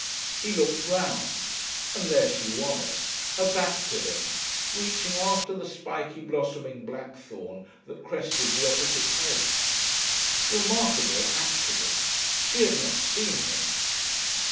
He looked round, and there she was, her back to him, reaching after the spiky blossoming blackthorn that crested the opposite hedge. Remarkable accident! She had not seen him!